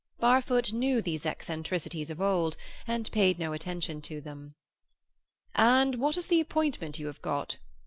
Barfoot knew these eccentricities of old, and paid no attention to them. "And what is the appointment you have got?"